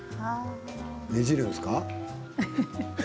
ねじるんですか？